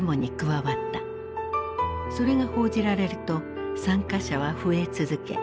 それが報じられると参加者は増え続け